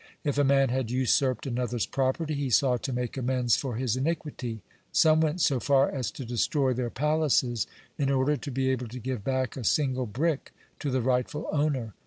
If a man had usurped another's property, he sought to make amends for his iniquity; some went so far as to destroy their palaces in order to be able to give back a single brick to the rightful owner.